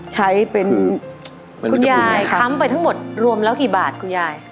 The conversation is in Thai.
ใช้เป็นคุณยายค้ำไปทั้งหมดรวมแล้วกี่บาทคุณยาย